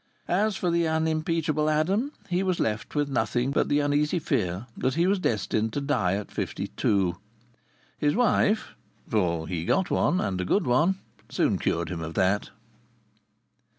As for the unimpeachable Adam, he was left with nothing but the uneasy fear that he was doomed to die at fifty two. His wife (for he got one, and a good one) soon cured him of that.